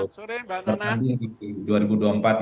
selamat sore mbak nana